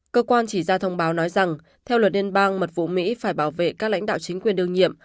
cơ quan chỉ ra thông báo nói rằng theo luật liên bang mật vụ mỹ phải bảo vệ các lãnh đạo chính quyền đương nhiệm